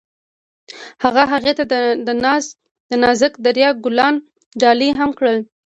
هغه هغې ته د نازک دریا ګلان ډالۍ هم کړل.